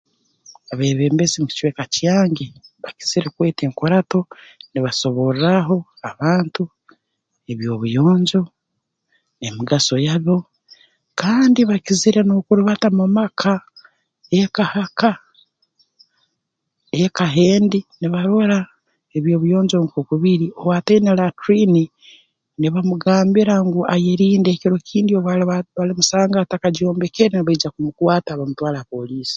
Abeebembezi mu kicweka kyange bakizire kweta enkurato nibasoborraaho abantu eby'obuyonjo n'emigaso yabwo kandi bakizire n'okurubata mu maka eka ha ka eka h'endi nibarora eby'obuyonjo nk'oku biri owaataine latrini nibamugambira ngu ayerinde kiro kindi obu baliba obu balimusanga takagyombekere nibaija kumukwata bamutwale ha pooliisi